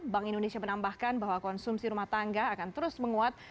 bank indonesia menambahkan bahwa konsumsi rumah tangga akan terus menguat